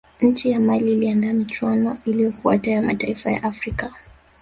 nchi ya mali iliandaa michuano iliyofuata ya mataifa ya afrika